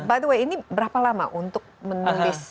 by the way ini berapa lama untuk menulis